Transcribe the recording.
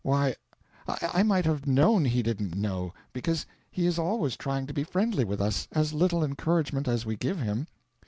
Why, I might have known he didn't know, because he is always trying to be friendly with us, as little encouragement as we give him.